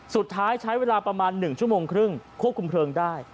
สุดท้ายใช้เวลาประมาณ๑ชั่วโมงครึ่งควบคุมเพลิงได้